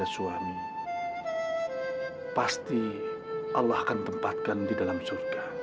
tapi apa yang kandang mereka